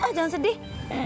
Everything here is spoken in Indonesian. ah jangan sedih